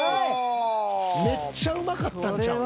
めっちゃうまかったんちゃうん？